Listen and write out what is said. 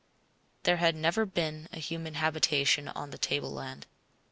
There had never been a human habitation on the tableland.